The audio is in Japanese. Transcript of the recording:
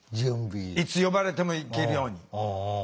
いつ呼ばれても行けるように。